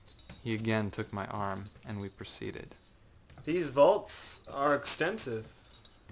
â He again took my arm, and we proceeded. âThese vaults,â he said, âare extensive.